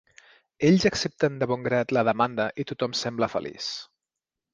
Ells accepten de bon grat la demanda i tothom sembla feliç.